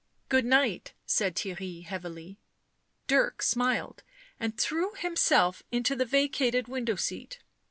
" Good night," said Theirry heavily. Dirk smiled, and threw herself into the vacated window seat.